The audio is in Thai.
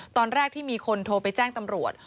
ตอนแรกที่มีคนโทรไปแจ้งตำรวจ